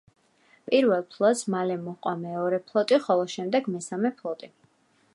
პირველ ფლოტს მალე მოჰყვა მეორე ფლოტი, ხოლო შემდეგ მესამე ფლოტი.